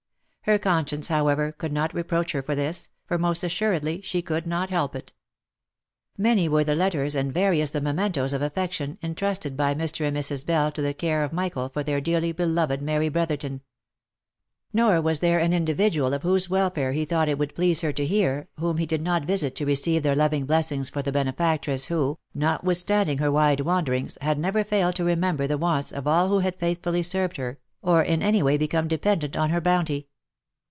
Her conscience, however, could not reproach her for this, for most assuredly she could not help it. Many were the letters,^ and various the mementos of affection, intrusted by Mr. and Mrs. Bell to the care of Michael for their dearly beloved Mary Brotherton. Nor was there an individual of whose welfare he thought it would please her to hear, whom he did not visit to receive their loving blessings for the benefactress who, not withstanding her wide wanderings, had never failed to remember the wants of all who had faithfully served her, or in any way become dependent on her bounty.